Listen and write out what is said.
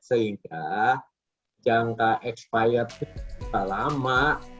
sehingga jangka ekspirasi tidak lama